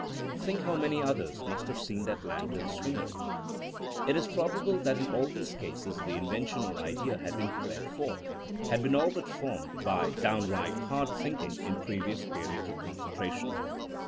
Think how many others must have seen that lantern swinging I It is probable that in all these cases the invention or idea had been prepared for, had been all but formed, by downright hard think ing in previous periods of concentration.